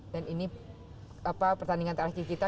dan ini pertandingan terakhir kita